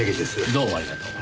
どうもありがとう。